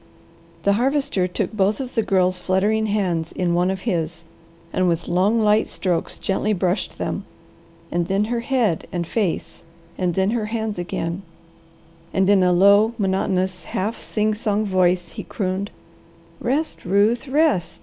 The Harvester took both of the Girl's fluttering hands in one of his and with long, light strokes gently brushed them, and then her head, and face, and then her hands again, and in a low, monotonous, half sing song voice he crooned, "Rest, Ruth, rest!